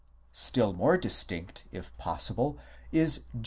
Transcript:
&." Still more distinct, if possible, is Deut.